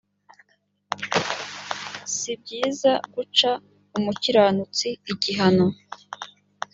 si byiza guca umukiranutsi igihano